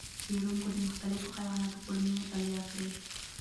څېړونکو د مختلفو حیواناتو کولمو مطالعې کړې.